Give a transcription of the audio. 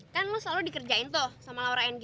kan lo selalu dikerjain tuh sama laura ng